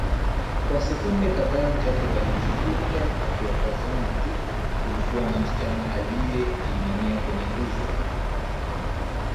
Kwa sekunde kadhaa Jacob alijikuta akiwatazama tu kulikuwa na msichana aliejiinamia kwenye nguzo